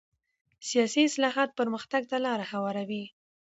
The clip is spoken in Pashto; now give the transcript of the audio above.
سیاسي اصلاحات پرمختګ ته لاره هواروي